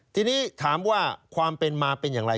ทีนี้ถามว่าความเป็นมาเป็นอย่างไร